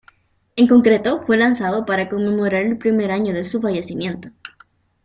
En concreto, fue lanzado para conmemorar el primer año de su fallecimiento.